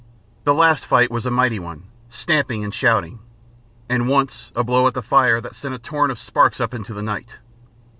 The last fight was a mighty one, stamping and shouting, and once a blow at the fire that sent a torrent of sparks up into the night.